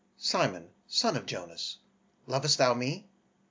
Simon, son of Jonas, Lovest thou me?